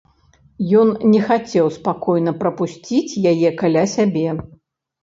Ён не хацеў спакойна прапусціць яе каля сябе.